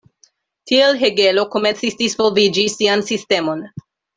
Tiel Hegelo komencis disvolviĝi sian sistemon.